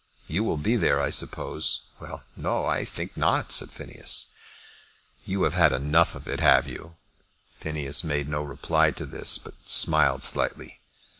"You will be there, I suppose?" "Well, no; I think not," said Phineas. "You have had enough of it, have you?" Phineas made no reply to this, but smiled slightly.